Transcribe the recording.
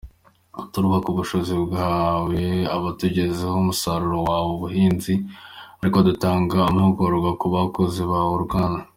Turubaka ubushobozi bw’abatugezaho umusaruro w’ubuhinzi ari na ko dutanga amahugurwa ku bakozi b’uruganda.